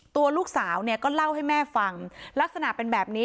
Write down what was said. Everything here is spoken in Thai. ตัวลูกสาวเนี่ยก็เล่าให้แม่ฟังลักษณะเป็นแบบนี้